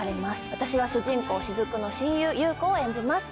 私は主人公雫の親友夕子を演じます。